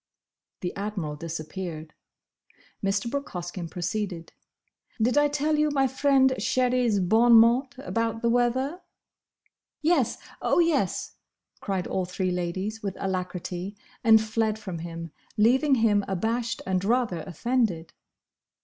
'" The Admiral disappeared. Mr. Brooke Hoskyn proceeded, "Did I tell you my friend Sherry's bonn mott about the weather?" "Yes! Oh, yes!" cried all three ladies, with alacrity, and fled from him, leaving him abashed and rather offended.